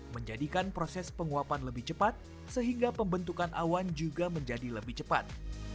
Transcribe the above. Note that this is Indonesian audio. menjadikan proses penguapan lebih cepat sehingga pembentukan awan juga menjadi lebih cepat